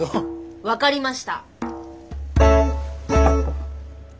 分かりました。